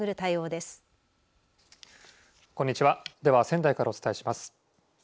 では仙台からお伝えします。